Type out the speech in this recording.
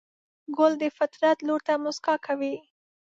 ګل د فطرت لور ته موسکا کوي.